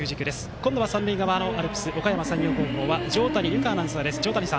今度は三塁側アルプスおかやま山陽高校は条谷有香アナウンサーです。